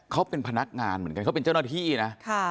เขาเป็นพนักงานเหมือนกันเขาเป็นเจ้าหน้าที่นะ